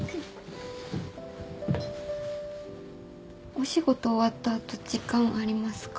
お仕事終わった後時間ありますか？